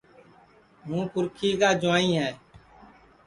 پُرکھیئے کا جُوائیں ہے